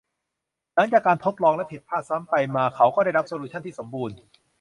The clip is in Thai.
หลังจากการทดลองและผิดพลาดซ้ำไปมา เขาก็ได้รับโซลูชั่นที่สมบูรณ์